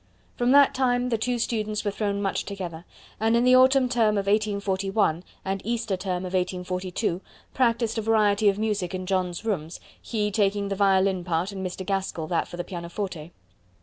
From that time the two students were thrown much together, and in the autumn term of 1841 and Easter term of 1842 practised a variety of music in John's rooms, he taking the violin part and Mr. Gaskell that for the pianoforte.